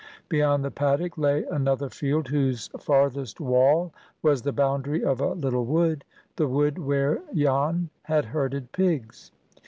Beyond the paddock lay another field, whose farthest wall was the boundary of a little wood,—the wood where Jan had herded pigs.